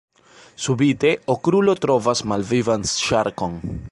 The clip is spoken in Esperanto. Subite, Okrulo trovas malvivan ŝarkon.